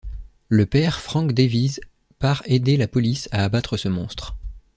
Le père, Frank Davies, part aider la police à abattre ce monstre.